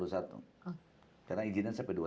kalau memang bisa diberikan lebih lama